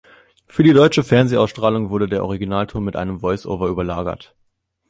Für die deutsche Fernsehausstrahlung wurde der Originalton mit einem Voice-over überlagert.